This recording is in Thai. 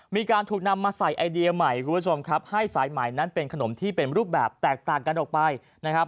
มีการถูกนำมาใส่ไอเดียใหม่คุณผู้ชมครับให้สายใหม่นั้นเป็นขนมที่เป็นรูปแบบแตกต่างกันออกไปนะครับ